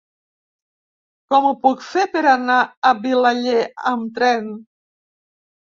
Com ho puc fer per anar a Vilaller amb tren?